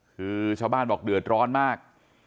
คือชาวบ้านบอกเดือดร้อนมาก